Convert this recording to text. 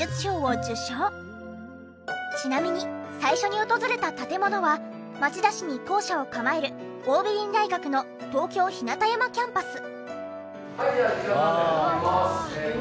ちなみに最初に訪れた建物は町田市に校舎を構える桜美林大学の東京ひなたやまキャンパス。